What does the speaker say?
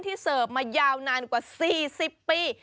เสิร์ฟมายาวนานกว่า๔๐ปี